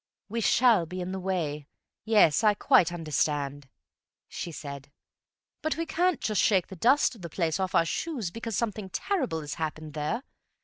"We shall be in the way, yes, I quite understand," she said; "but we can't just shake the dust of the place off our shoes because something terrible has happened there.